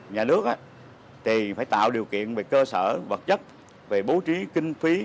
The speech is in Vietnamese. nhà nước thì phải tạo điều kiện về cơ sở vật chất về bố trí kinh phí